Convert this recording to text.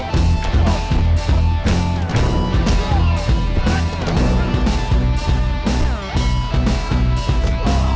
semuanya stand by di sini aja ya